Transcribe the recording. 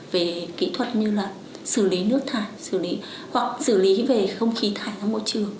về kỹ thuật như là xử lý nước thải xử lý hoặc xử lý về không khí thải ra môi trường